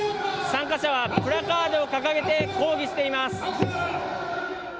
参加者はプラカードを掲げて抗議しています。